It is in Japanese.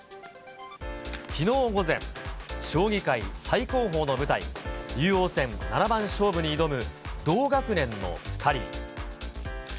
きのう午前、将棋界最高峰の舞台、竜王戦七番勝負に挑む同学年の２人。